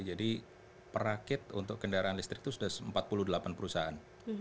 jadi perakit untuk kendaraan listrik itu sudah empat puluh delapan perusahaan